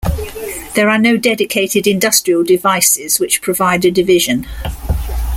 There are no dedicated industrial devices which provide a division.